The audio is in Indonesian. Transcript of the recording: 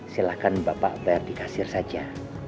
silahkan bapak bayar di kasir saja